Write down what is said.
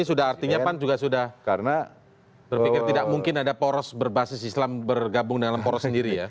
jadi ini artinya pan juga sudah berpikir tidak mungkin ada poros berbasis islam bergabung dalam poros sendiri ya